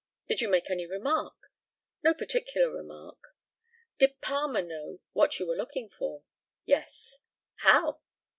Did you make any remark? No particular remark. Did Palmer know what you were looking for? Yes. How?